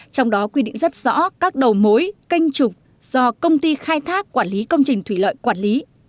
trong đó quy định rất rõ các đầu mối canh trục do công ty khai thác quản lý công trình thủy lợi quản lý